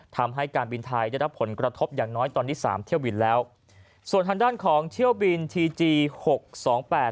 ทำให้การบินไทยได้รับผลกระทบอย่างน้อยตอนนี้สามเที่ยวบินแล้วส่วนทางด้านของเที่ยวบินทีจีหกสองแปด